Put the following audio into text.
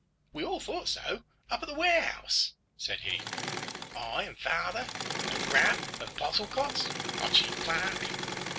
"We all thought so up at the warehouse," said he, "I and father, and Grabbe, and Postlecott, our chief clerk.